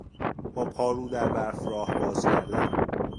با پارو در برف راه باز کردن